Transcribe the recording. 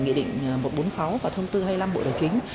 nghị định một trăm bốn mươi sáu và thông tư hai mươi năm bộ tài chính